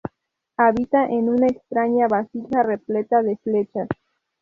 Habita en una extraña vasija repleta de flechas.